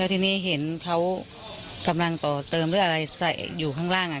ทีนี้เห็นเขากำลังต่อเติมหรืออะไรใส่อยู่ข้างล่าง